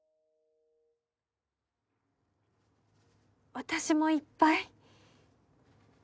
私もいっぱい。